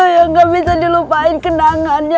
ya gak bisa dilupain kenangannya